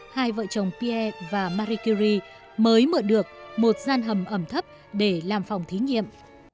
hai vợ chồng pierre và marie curie mới mượn được một gian hầm ẩm thấp để làm phòng thí nghiệm